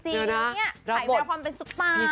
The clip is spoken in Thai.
นี่ใช้แบบความเป็นสปา